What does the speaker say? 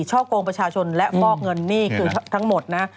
ช่อกงประชาชนและฟอกเงินนี่คือทั้งหมดนะ